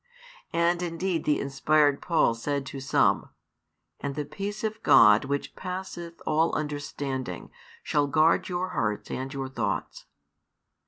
And indeed the inspired Paul said to some: And the peace of God which passeth all understanding shall guard your hearts and your thoughts.